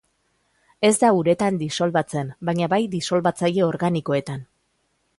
Ez da uretan disolbatzen, baina bai disolbatzaile organikoetan.